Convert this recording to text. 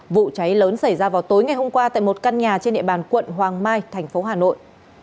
vụ cháy lớn xảy ra vào tối ngày hôm qua tại một căn nhà trên địa bàn quận hoàng mai thành phố hà nội